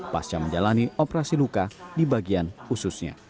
pasca menjalani operasi luka di bagian ususnya